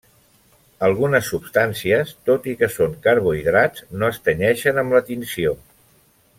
Algunes substàncies, tot i que són carbohidrats no es tenyeixen amb la tinció.